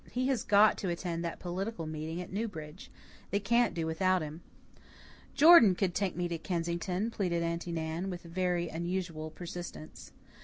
He has got to attend that political meeting at Newbridge. They can't do without him." "Jordan could take me to Kensington," pleaded Aunty Nan, with very unusual persistence.